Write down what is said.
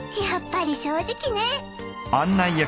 やっぱり正直ね。